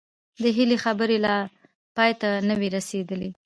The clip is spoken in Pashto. د هيلې خبرې لا پای ته نه وې رسېدلې